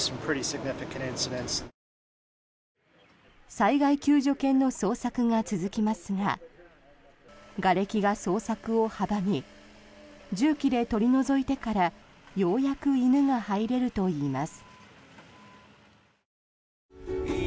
災害救助犬の捜索が続きますががれきが捜索を阻み重機で取り除いてからようやく犬が入れるといいます。